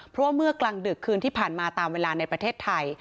เพราะว่าเมื่อกลางดึกคืนที่ผ่านมาตามเวลาในประเทศไทย